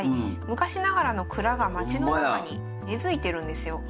昔ながらの蔵が町の中に根づいてるんですよ。